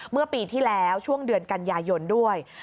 เมื่อปีที่แล้วช่วงเดือนกันยายนด้วย